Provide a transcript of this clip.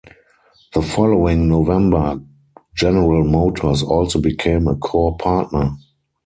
The following November General Motors also became a Core Partner.